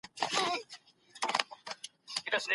که غواړې چي زه درسم نو يو کار وکړه .